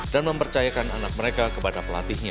dan mempercayakan anak mereka kepada pelatihnya